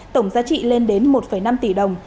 tổng giá trị lên đến một năm tỷ đồng